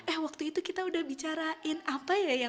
eh waktu itu kita udah bicarain apa ya